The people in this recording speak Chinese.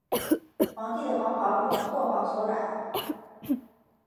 皇帝的黄袍用柘黄所染。